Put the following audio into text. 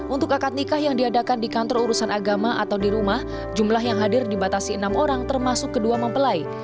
untuk akad nikah yang diadakan di kantor urusan agama atau di rumah jumlah yang hadir dibatasi enam orang termasuk kedua mempelai